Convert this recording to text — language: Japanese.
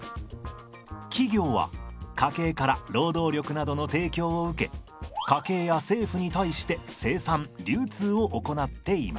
企業は家計から労働力などの提供を受け家計や政府に対して生産流通を行っています。